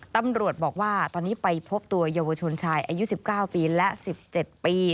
ตำรวจบอกว่าตอนนี้ไปพบตัวเยาวชนชายอายุ๑๙ปีและ๑๗ปี